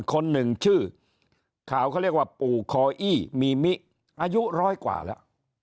คนหนึ่งชื่อข่าวเขาเรียกว่าปู่คออี้มีมิอายุร้อยกว่าแล้ว